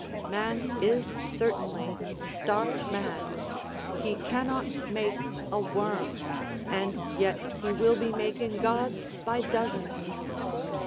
Man is certainly stark mad; he cannot make a worm, and yet he will be making gods by dozens.